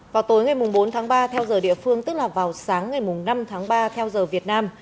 vào tối ngày bốn tháng ba theo giờ địa phương tức là vào sáng ngày năm tháng ba theo giờ việt nam